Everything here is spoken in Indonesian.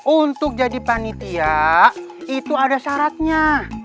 untuk jadi panitia itu ada syaratnya